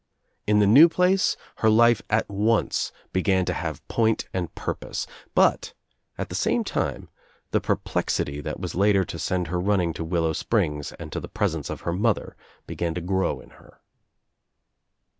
In the new place her life at once began to have point and purpose, but at the same time the perplexity that was later to send her running to Willow Springs and to the presence of her mother began to groi^ in her.